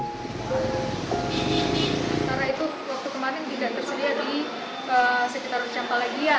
karena itu waktu kemarin tidak tersedia di sekitar kampalagian